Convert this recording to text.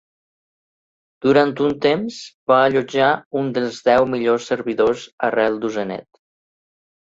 Durant un temps, va allotjar un dels deu millors servidors arrel d'Usenet.